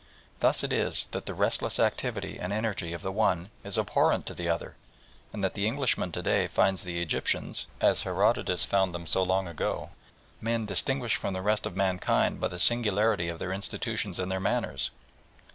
Thus it is that the restless activity and energy of the one is abhorrent to the other, and that the Englishman to day finds the Egyptians, as Herodotus found them so long ago, men "distinguished from the rest of mankind by the singularity of their institutions and their manners."